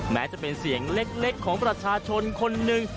แม้จะเป็นเสียงเล็กของประชาชนคนหนึ่ง